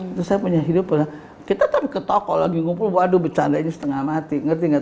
itu saya punya hidup kita tapi ke toko lagi ngumpul waduh bercandanya setengah mati ngerti nggak